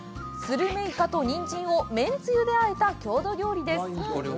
スルメイカと人参をめんつゆであえた郷土料理です。